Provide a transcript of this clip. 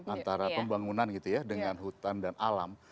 antara pembangunan dengan hutan dan alam